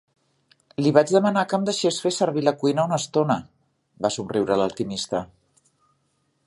"Li vaig demanar que em deixés fer servir la cuina una estona", va somriure l'alquimista.